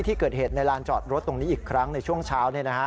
ที่เกิดเหตุในลานจอดรถตรงนี้อีกครั้งในช่วงเช้า